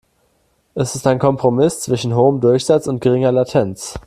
Es ist ein Kompromiss zwischen hohem Durchsatz und geringer Latenz.